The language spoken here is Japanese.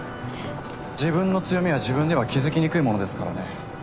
自分の強みは自分では気付きにくいものですからね。